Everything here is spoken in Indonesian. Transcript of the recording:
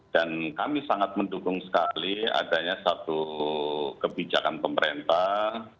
kami sangat mendukung sekali adanya satu kebijakan pemerintah